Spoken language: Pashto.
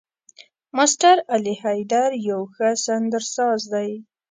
ماسټر علي حيدر يو ښه سندرساز دی.